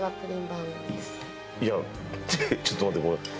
いやちょっと待って。